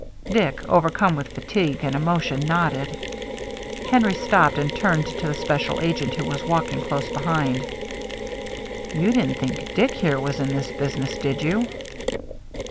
Dick, overcome with fatigue and emotion, nodded. Henry stopped and turned to the special agent, who was walking close behind. " You didn't think Dick here was in this business, did you